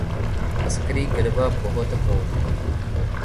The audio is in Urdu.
عسکری گروہ بہت ہوں۔